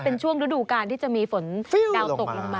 เป็นช่วงฤดูการที่จะมีฝนดาวตกลงมา